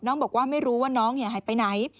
บอกว่าไม่รู้ว่าน้องหายไปไหน